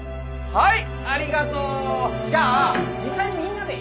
はい！